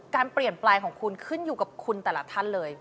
การเปลี่ยนแปลงของคุณขึ้นอยู่กับคุณแต่ละท่านเลย